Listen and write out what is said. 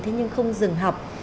thế nhưng không dừng học